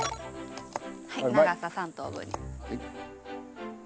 はい長さ３等分に。